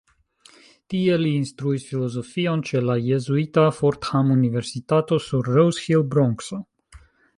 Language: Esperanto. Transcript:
Tie li instruis filozofion ĉe la jezuita Fordham-universitato sur Rose Hill, Bronkso.